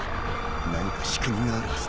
何か仕組みがあるはずだ。